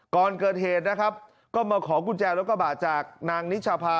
ก่อนเกิดเหตุนะครับก็มาขอกุญแจรถกระบะจากนางนิชภา